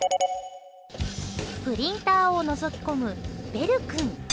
プリンターをのぞき込むベル君。